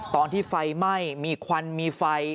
ตอนที่ไฟไหม้มีควันมีไฟ